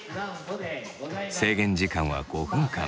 制限時間は５分間。